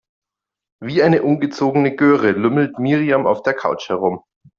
Wie eine ungezogene Göre lümmelt Miriam auf der Couch herum.